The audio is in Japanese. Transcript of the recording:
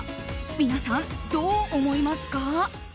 皆さん、どう思いますか？